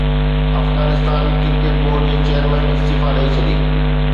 Afghanistan cricket board جي chairman استعيفيٰ ڏئي ڇڏي